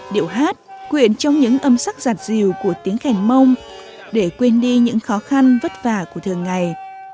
điệu hát quyển trong những âm sắc giặt dìu của tiếng khèn mông để quên đi những khó khăn vất vả của thường ngày